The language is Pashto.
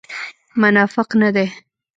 منافق نه دی.